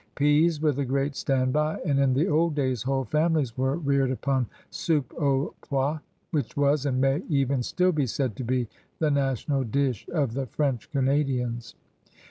Peas were the great stand by, and in the old days whole families were reared upon soupe avx poisy which was, and may even still be said to be, the national dish of the French Canadians.